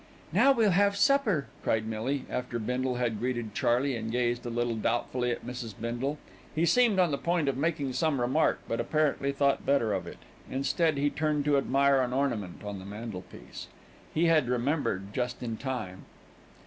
"Now we'll have supper," cried Millie, after Bindle had greeted Charley and gazed a little doubtfully at Mrs. Bindle. He seemed on the point of making some remark; but apparently thought better of it, instead he turned to admire an ornament on the mantelpiece. He had remembered just in time.